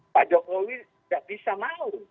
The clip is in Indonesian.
pak jokowi tidak bisa mau